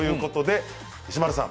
石丸さん